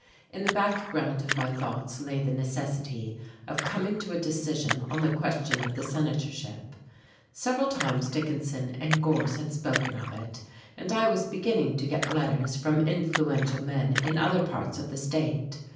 In the background of my thoughts lay the necessity of coming to a decision on the question of the senatorship; several times Dickinson and Gorse had spoken of it, and I was beginning to get letters from influential men in other parts of the state.